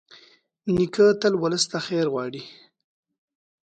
نیکه تل ولس ته خیر غواړي.